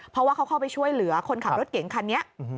เพราะว่าเขาเข้าไปช่วยเหลือคนขับรถเก่งคันนี้